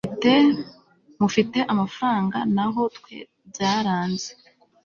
mufite amafaranga naho twebyaranze